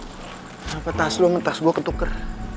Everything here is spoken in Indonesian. kenapa tas lo sama tas gue ketuker